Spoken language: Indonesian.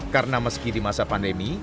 karena meski di masa pandemi